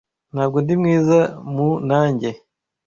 Ntabwo ndi mwiza mu nanjye